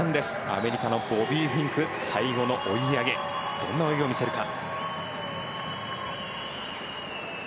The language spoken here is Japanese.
アメリカのボビー・フィンク最後の追い上げどんな泳ぎを見せるか。